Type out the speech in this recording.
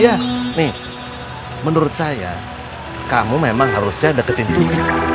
iya nih menurut saya kamu memang harusnya deketin ini